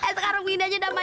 lu sekarang bantu gua